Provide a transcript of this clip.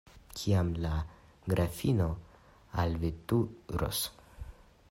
Kiam la grafino alveturos?